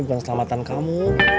bukan keselamatan kamu